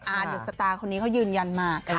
อาร์นัทธพลคนนี้เขายืนยันมาค่ะ